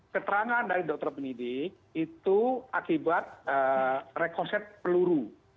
keterangan dari dokter penyidik itu akibat rekoset peluru